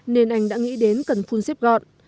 nên anh đã nghĩ đến cần phun xếp gọn